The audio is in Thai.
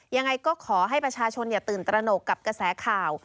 ยังไงก็ขอให้ประชาชนอย่าตื่นตระหนกกับกระแสข่าว